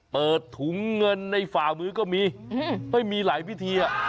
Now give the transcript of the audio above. เปิดถุงเงินในฝ่ามือก็มี